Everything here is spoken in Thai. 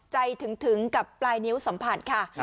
ถึงกับปลายนิ้วสัมผัสค่ะ